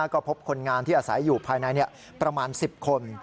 ก็พบคนงานที่อาศัยอยู่ภายในประมาณ๑๐คน